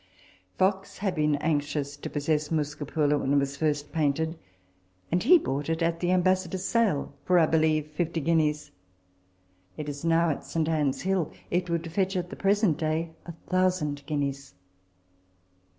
Fox had been anxious to possess Muscipula when it was first painted ; and he bought it at the Ambassador's sale for (I believe) fifty guineas. It is now at St. Anne's Hill. It would fetch, at the present day, a thousand guineas.